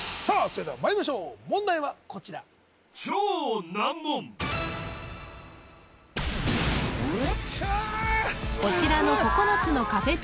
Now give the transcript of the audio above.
それではまいりましょう問題はこちらこちらの９つのカフェ